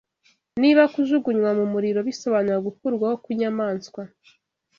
Niba kujugunywa mu muriro bisobanura gukurwaho kw’inyamaswa